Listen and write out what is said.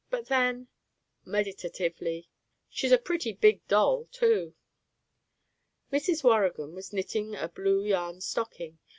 But then" meditatively "she's a pretty big doll too." Mrs. Waurigan was knitting a blue yarn stocking.